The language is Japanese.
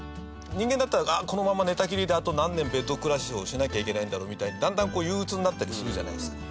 人間だったらこのまま寝たきりであと何年ベッド暮らしをしなきゃいけないんだろうみたいにだんだん、憂鬱になったりするじゃないですか。